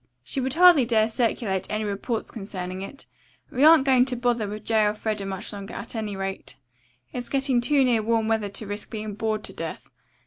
She would hardly dare circulate any reports concerning it. We aren't going to bother with J. Elfreda much longer at any rate. It's getting too near warm weather to risk being bored to death.